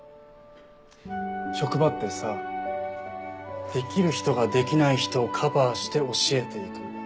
職場ってさできる人ができない人をカバーして教えて行く。